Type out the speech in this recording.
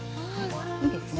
いいですね。